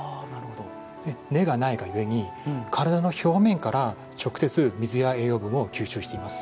根がないがゆえに体の表面から直接水や栄養分を吸収しています。